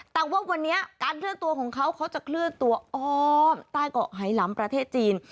แต่ว่าวันนี้การเคลื่อนตัวของเขาเขาจะเคลื่อนตัวอ้อมใต้เกาะไฮลำประเทศจีน